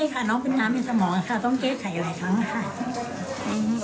ใช่ค่ะน้องเป็นน้ำในสมองค่ะต้องแก้ไขหลายครั้งค่ะ